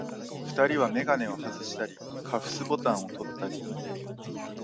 二人はめがねをはずしたり、カフスボタンをとったり、